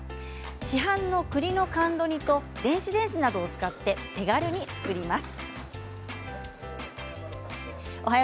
市販のくりの甘露煮と電子レンジなどを使って手軽に作ります。